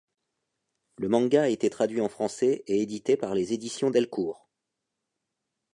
Le manga a été traduit en français et édité par les éditions Delcourt.